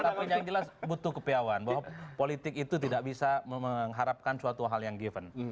tapi yang jelas butuh kepiawan bahwa politik itu tidak bisa mengharapkan suatu hal yang given